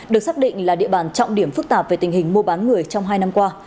được xác định là địa bàn trọng điểm phức tạp về tình hình mua bán người trong hai năm qua